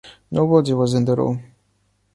Nobody was in the room.